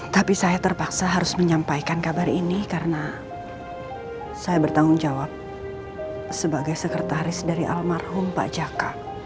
tapi saya terpaksa harus menyampaikan kabar ini karena saya bertanggung jawab sebagai sekretaris dari almarhum pak jaka